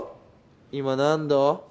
今何度？